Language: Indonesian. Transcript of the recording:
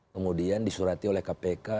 kemudian disurati oleh kpk